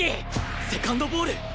セカンドボール！